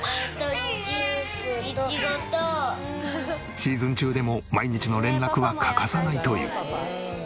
シーズン中でも毎日の連絡は欠かさないという。